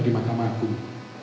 di mahkamah agung